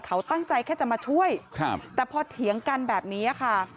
เขาตั้งใจแค่จะมาช่วยครับแต่พอเถียงกันแบบนี้ค่ะ